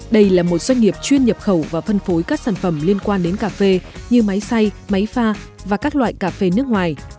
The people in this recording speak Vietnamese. đây là một doanh nghiệp chuyên nhập khẩu và phân phối các sản phẩm liên quan đến cà phê như máy xay máy pha và các loại cà phê nước ngoài